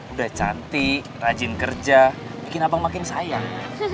udah cantik rajin kerja bikin abang makin sayang